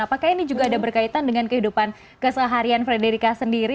apakah ini juga ada berkaitan dengan kehidupan keseharian frederica sendiri